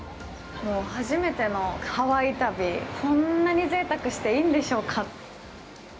初めてのハワイ旅、こんなにぜいたくしていいんでしょうか。